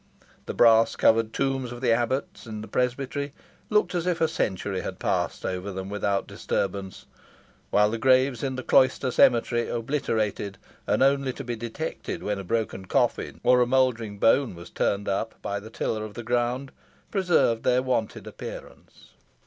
The brass covered tombs of the abbots in the presbytery looked as if a century had passed over them without disturbance; while the graves in the cloister cemetery, obliterated, and only to be detected when a broken coffin or a mouldering bone was turned up by the tiller of the ground, preserved their wonted appearance.